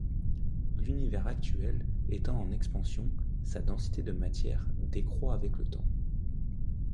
L'Univers actuel étant en expansion, sa densité de matière décroît avec le temps.